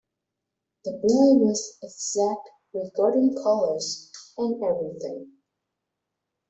The boy was exact regarding colours, and everything.